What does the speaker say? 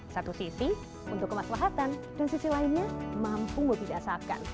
satu sisi untuk kemaslahatan dan sisi lainnya mampu membidasakan